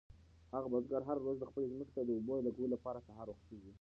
هغه بزګر هره ورځ خپلې ځمکې ته د اوبو لګولو لپاره سهار وختي ځي.